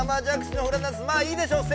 まあいいでしょう。